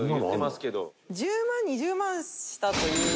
「１０万２０万したという」